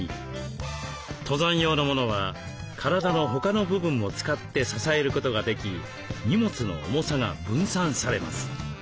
登山用のものは体の他の部分も使って支えることができ荷物の重さが分散されます。